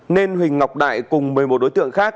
nên huỳnh ngọc đại cùng một mươi một đối tượng khác